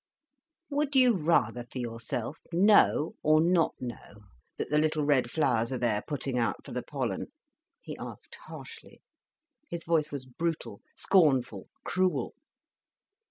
"Would you rather, for yourself, know or not know, that the little red flowers are there, putting out for the pollen?" he asked harshly. His voice was brutal, scornful, cruel.